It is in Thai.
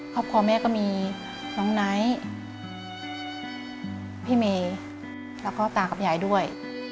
ครอบครัวแม่ก็มีน้องไนท์พี่เมย์แล้วก็ตากับยายด้วย